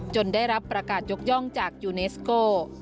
ได้รับประกาศยกย่องจากยูเนสโก